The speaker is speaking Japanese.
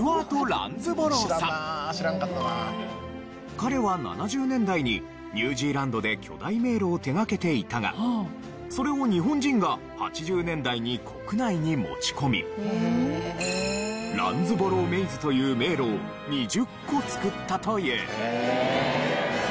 彼は７０年代にニュージーランドで巨大迷路を手掛けていたがそれを日本人が８０年代に国内に持ち込みランズボローメイズという迷路を２０個造ったという。